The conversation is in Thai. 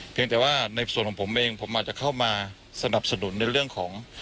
เพียงแต่ว่าในส่วนของผมเองผมอาจจะเข้ามาสนับสนุนในเรื่องของ